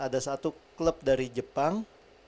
ada satu klub dari jepang